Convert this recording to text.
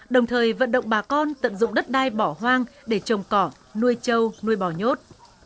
đồng thời vận động bà con tận dụng đất đai bỏ hoang để trồng cỏ nuôi trâu nuôi bò nhốt